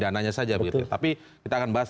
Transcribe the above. dananya saja tapi kita akan bahas